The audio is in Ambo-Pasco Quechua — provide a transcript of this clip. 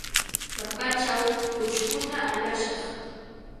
Pampaćhaw ućhkuta alashaq.